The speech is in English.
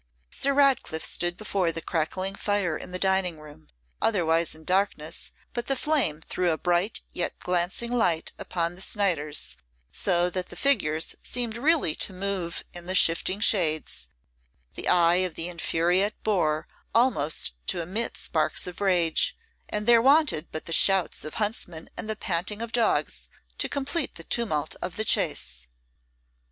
Sir Ratcliffe stood before the crackling fire in the dining room, otherwise in darkness, but the flame threw a bright yet glancing light upon the Snyders, so that the figures seemed really to move in the shifting shades, the eye of the infuriate boar almost to emit sparks of rage, and there wanted but the shouts of the huntsmen and the panting of the dogs to complete the tumult of the chase.